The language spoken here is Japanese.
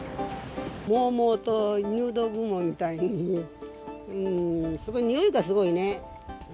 もうもうと入道雲みたいにね、すごい、においがすごいね。